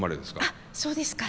あっそうですか。